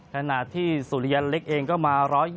ขณะที่สุริยันเล็กเองก็มา๑๒๐